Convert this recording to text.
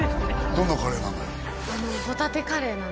どんなカレーなの？